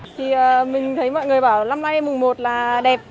thì mình thấy mọi người bảo năm nay mùng một là đẹp